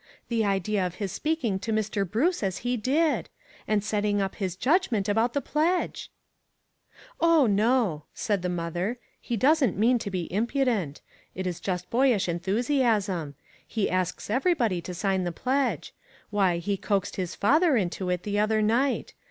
The idea of his speaking of Mr. Bruce as he did ! And setting up his judgment about the pledge !"" Oh, no," said the mother ;" he doesn't mean to be impudent. It is just boyish enthusiasm. He asks everybody to sign the pledge. Why, he coaxed his father into it the other night.